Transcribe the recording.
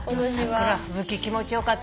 桜吹雪気持ち良かった。